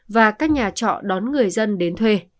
và các nhà trọ đón người dân đến thuê